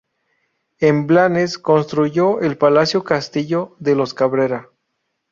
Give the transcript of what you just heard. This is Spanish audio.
En Blanes construyó el Palacio-Castillo de los Cabrera.